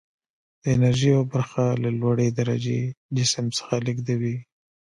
د انرژي یوه برخه له لوړې درجې جسم څخه لیږدوي.